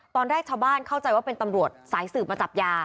ตอนแรกชาวบ้านเข้าใจว่าเป็นตำรวจสายสืบมาจับยา